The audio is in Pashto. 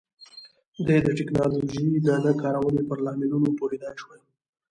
د دې ټکنالوژۍ د نه کارونې پر لاملونو پوهېدای شو.